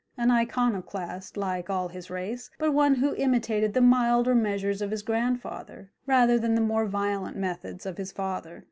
an Iconoclast, like all his race, but one who imitated the milder measures of his grandfather rather than the more violent methods of his father.